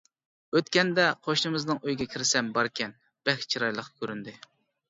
-ئۆتكەندە قوشنىمىزنىڭ ئۆيىگە كىرسەم باركەن، بەك چىرايلىق كۆرۈندى.